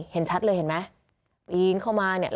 เห็นชัดเลยเห็นมั้ย